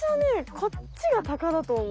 こっちがタカだとおもう。